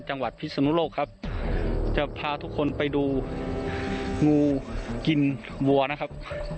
พิศนุโลกครับจะพาทุกคนไปดูงูกินวัวนะครับ